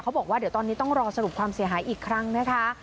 บอกว่าเดี๋ยวตอนนี้ต้องรอสรุปความเสียหายอีกครั้งนะคะ